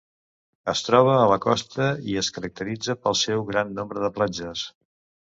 Es troba a la costa i es caracteritza pel seu gran nombre de platges.